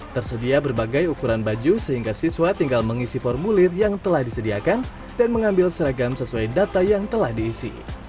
tersedia berbagai ukuran baju sehingga siswa tinggal mengisi formulir yang telah disediakan dan mengambil seragam sesuai data yang telah diisi